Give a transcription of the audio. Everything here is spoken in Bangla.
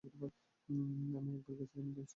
আমি একবার গিয়েছিলাম অই সাইটে।